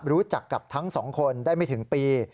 รู้จักกับทั้งสองคนได้ไม่ถึงปี